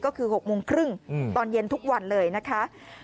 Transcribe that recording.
ก็คือ๖โมงครึ่งตอนเย็นทุกวันเลยนะคะ